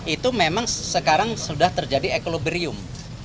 itu memang sekarang sudah terjadi equlobrium